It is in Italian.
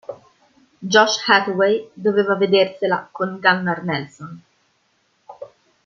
Josh Hathaway doveva vedersela con Gunnar Nelson.